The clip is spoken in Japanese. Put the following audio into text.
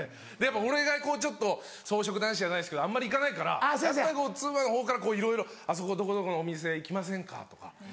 俺が草食男子じゃないですけどあんまり行かないからやっぱりこう妻のほうからこういろいろ「あそこどこどこのお店行きませんか」とか。